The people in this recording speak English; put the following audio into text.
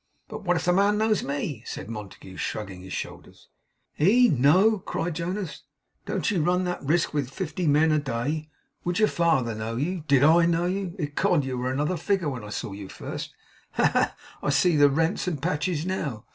'But what if the man knows me?' said Montague, shrugging his shoulders. 'He know!' cried Jonas. 'Don't you run that risk with fifty men a day! Would your father know you? Did I know you? Ecod! You were another figure when I saw you first. Ha, ha, ha! I see the rents and patches now!